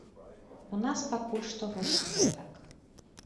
У нас пакуль што вось гэтак.